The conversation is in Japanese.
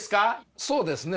そうですね。